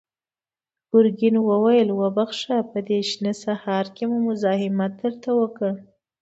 ګرګين وويل: وبخښه، په دې شنه سهار کې مو مزاحمت درته وکړ.